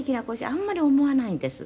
あんまり思わないんです」